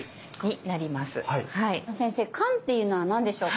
先生肝っていうのは何でしょうか？